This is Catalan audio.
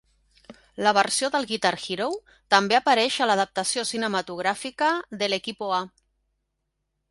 La versió del "Guitar Hero" també apareix a l'adaptació cinematogràfica del "L"Equipo A".